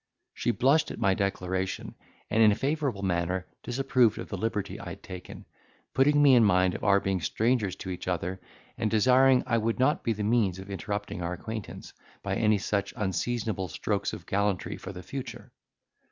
She blushed at my declaration and in a favourable manner disapproved of the liberty I had taken, putting me in mind of our being strangers to each other, and desiring I would not be the means of interrupting our acquaintance, by any such unseasonable strokes of gallantry for the future.